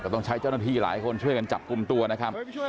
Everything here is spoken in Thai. ต้องใช้เจ้าหน้าที่หลายคนช่วยกันจับกลุ่มตัวนะครับ